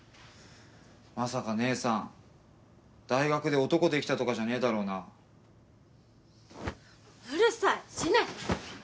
まさか姉さん大学で男できたとかじゃねぇだろうなうるさい死ね！